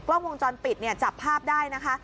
กล้องวงจรปิดเนี่ยจับภาพได้นะคะ